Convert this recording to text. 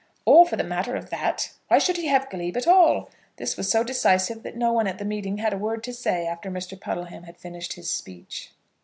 Or, for the matter of that, why should he have glebe at all?" This was so decisive that no one at the meeting had a word to say after Mr. Puddleham had finished his speech.